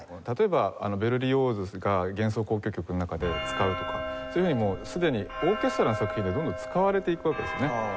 例えばベルリオーズが『幻想交響曲』の中で使うとかそういうふうにすでにオーケストラの作品でどんどん使われていくわけですね。